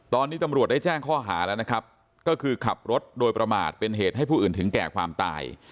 ตอนนี้ตำรวจได้แจ้งข้อหาแล้วนะครับก็คือขับรถโดยประมาทเป็นเหตุให้ผู้อื่นถึงแก่ความตาย